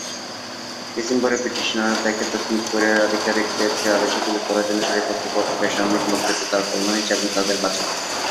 ডিসেম্বরে, ব্রিটিশ সেনারা দেখে দক্ষিণ কোরিয়ার আধিকারিকদের আদেশে গুলি করার জন্য সারিবদ্ধভাবে বেসামরিক লোকদের দাঁড় করানো হয়েছে এবং তাদের বাঁচায়।